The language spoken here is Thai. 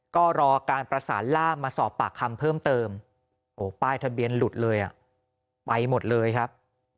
ก็รอการประสานล่ามมาสอบปากคำเพิ่มเติมโอ้ป้ายทะเบียนหลุดเลยอ่ะไปหมดเลยครับ